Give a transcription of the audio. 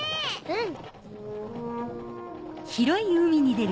うん。